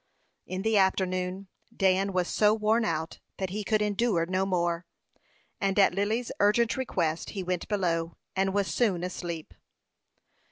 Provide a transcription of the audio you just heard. In the afternoon Dan was so worn out that he could endure no more, and at Lily's urgent request he went below, and was soon asleep.